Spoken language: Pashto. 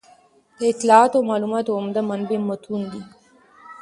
د اطلاعاتو او معلوماتو عمده منبع متون دي.